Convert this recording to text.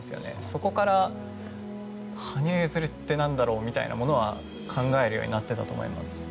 そこから羽生結弦って何だろうみたいなものは考えるようになっていたと思います。